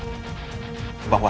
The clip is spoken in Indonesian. bahwa saya akan menemukanmu